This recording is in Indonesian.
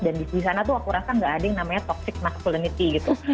dan di sana tuh aku rasa nggak ada yang namanya toxic masculinity gitu